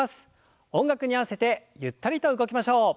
音楽に合わせてゆったりと動きましょう。